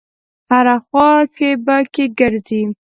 هره خوا چې په کې ګرځې.